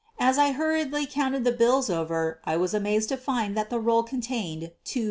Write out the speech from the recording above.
As I hurriedly counted the bills over I was amazed to find that the roll contained $2,000.